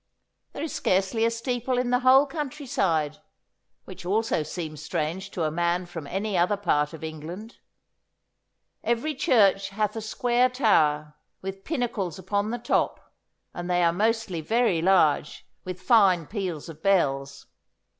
There is scarcely a steeple in the whole country side, which also seems strange to a man from any other part of England. Every church hath a square tower, with pinnacles upon the top, and they are mostly very large, with fine peals of bells.